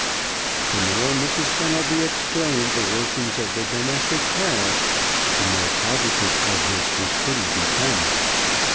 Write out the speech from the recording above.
The more Mrs. Fenelby explained the workings of the Domestic Tariff the more positive of this did Kitty become.